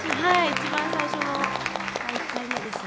一番最初の第１回目ですね。